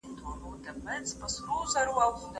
نوي لاري د پخوانیو لارو په پرتله ډیري ګټورې دي.